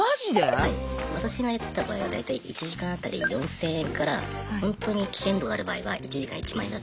私がやってた場合は大体１時間当たり４千円からホントに危険度がある場合は１時間１万円だったりします。